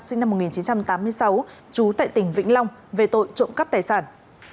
sinh năm một nghìn chín trăm tám mươi sáu trú tại tỉnh vĩnh long về tội trộm cắp tài sản